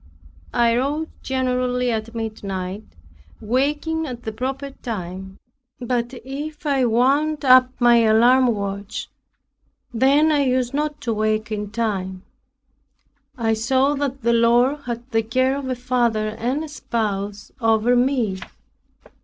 I rose generally at midnight, waking at the proper time; but if I wound up my alarm watch, then I used not to awake in time. I saw that the Lord had the care of a father and a spouse over me.